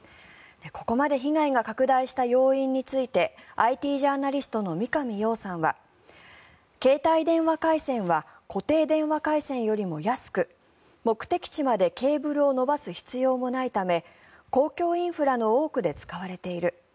ここまで被害が拡大した要因についてＩＴジャーナリストの三上洋さんは携帯電話回線は固定電話回線よりも安く目的地までケーブルを延ばす必要もないため公共インフラの多くで使われている。